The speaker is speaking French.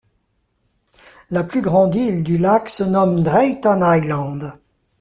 La plus grande île du lac se nomme Drayton Island.